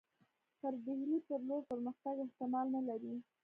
پر ډهلي پر لور پرمختګ احتمال نه لري.